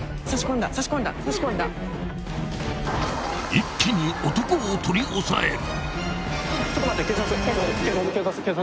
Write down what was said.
［一気に男を取り押さえる！］